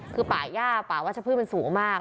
คือป่าย่าป่าวัชพืชมันสูงมาก